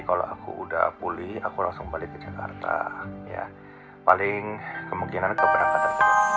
kalau aku udah pulih aku langsung balik ke jakarta ya paling kemungkinan keberangkatan